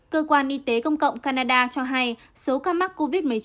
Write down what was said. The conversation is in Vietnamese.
cơ quan y tế công cộng canada cho hay số ca mắc covid một mươi chín